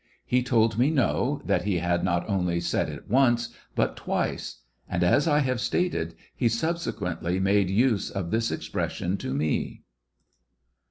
He told me no, that he had not only said it once, but twice; and, as I have stated, he subsequently made use of this expression to me.